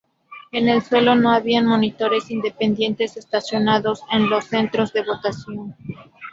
En el suelo no había monitores independientes estacionados en los centros de votación.